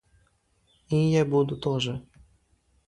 И я буду тоже.